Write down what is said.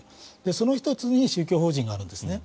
その１つに宗教法人があるんですね。